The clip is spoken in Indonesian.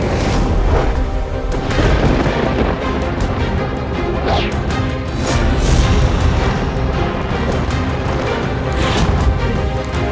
kau tidak bisa menang